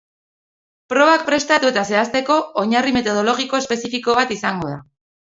Probak prestatu eta zehazteko oinarri metodologiko espezifiko bat izango da.